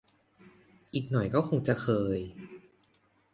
อีกหน่อยก็คงจะเคย